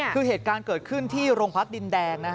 คือเหตุการณ์เกิดขึ้นที่โรงพักดินแดง